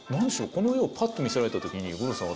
この絵をパッと見せられた時に五郎さん